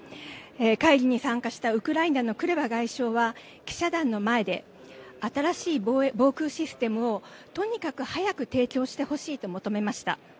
会議に参加したウクライナのクレバ外相は記者団の前で新しい防空システムをとにかく早く提供してほしいと求めました。